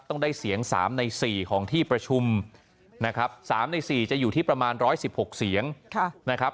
ต้องได้เสียง๓ใน๔ของที่ประชุมนะครับ๓ใน๔จะอยู่ที่ประมาณ๑๑๖เสียงนะครับ